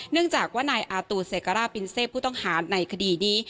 เนื่องจากว่านายอาตูเซการ่าปินเซผู้ต้องหาในคดีนี้